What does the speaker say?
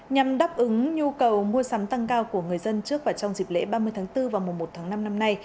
nhằm đáp ứng nhu cầu mua sắm tăng cao của người dân trước và trong dịp lễ ba mươi tháng bốn và mùa một tháng năm năm nay